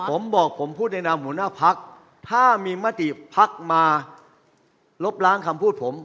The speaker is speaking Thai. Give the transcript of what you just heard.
ผมบอกผมพูดในนามหัวหน้าพักถ้ามีมติพักมาลบล้างคำพูดผม